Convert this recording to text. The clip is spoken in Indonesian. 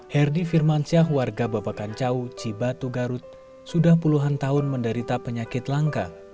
herdi firmansyah warga babakancau cibatu garut sudah puluhan tahun menderita penyakit langka